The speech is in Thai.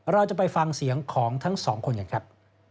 เราจะไปฟังเสียงของทั้งสองคนกันครับ